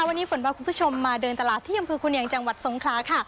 วันนี้ฝนพาคุณผู้ชมมาเดินตลาดที่อำเภอคุณเนียงจังหวัดทรงคลาค่ะ